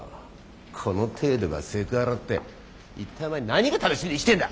この程度がセクハラって一体お前何が楽しみで生きてんだ。